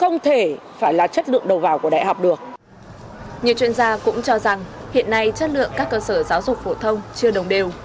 nhiều chuyên gia cũng cho rằng hiện nay chất lượng các cơ sở giáo dục phổ thông chưa đồng đều